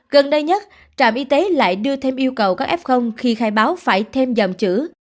gần đây nhất trạm y tế lại đưa thêm yêu cầu các f khi khai báo phải thêm dòng chữ